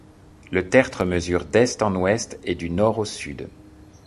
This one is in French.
Le tertre mesure d'Est en Ouest et du Nord au Sud.